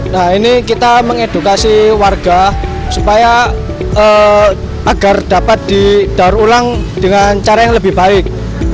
nah ini kita mengedukasi warga agar dapat didaur ulang dengan cara yang lebih baik